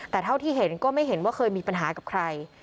แต่เท่าที่เห็นก็ไม่เห็นว่าเคยมีปัญหากับใคร